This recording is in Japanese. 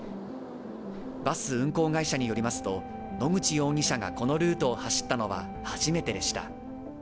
バス運行会社によりますと、野口容疑者がこのルートを走ったのは初めてでした。